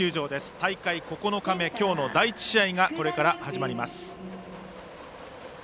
大会９日目、今日の第１試合がこれから始まります。